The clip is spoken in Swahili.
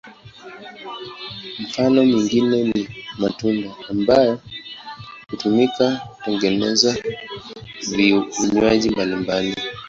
Mfano mwingine ni matunda ambayo hutumika kutengeneza vinywaji mbalimbali.